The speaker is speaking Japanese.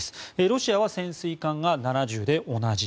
ロシアは潜水艦が７０で同じ。